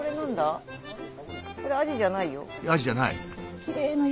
アジじゃない？